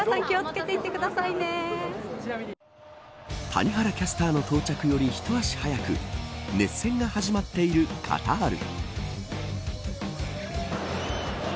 谷原キャスターの到着より一足早く熱戦が始まっているカタール。